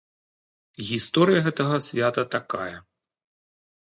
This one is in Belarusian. Гісторыя гэтага свята такая.